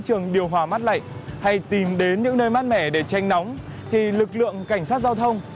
trường điều hòa mát lạnh hay tìm đến những nơi mát mẻ để tranh nóng thì lực lượng cảnh sát giao thông